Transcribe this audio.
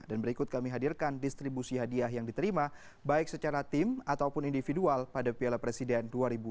berikut kami hadirkan distribusi hadiah yang diterima baik secara tim ataupun individual pada piala presiden dua ribu dua puluh